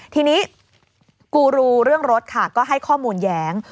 ทีนี้กูรูเรื่องรถค่ะก็ให้ข้อมูลแย้ง